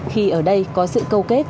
khi ở đây có sự câu kết